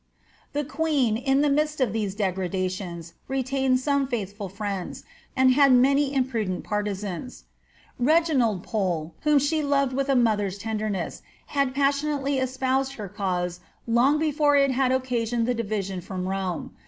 The queen, in the midst of these degrradations, retained some faithful friends, and had many imprudent partisans. Reginald Pole, whom she loved with a mother^s tenderness, had passionately espoused her cause long before it had occasioned the division from Rome.